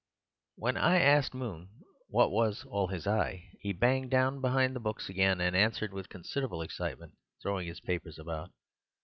When asked by Moon what was all his eye, he banged down behind the books again and answered with considerable excitement, throwing his papers about.